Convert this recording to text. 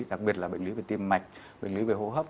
đặc biệt là bệnh lý về tim mạch bệnh lý về hô hấp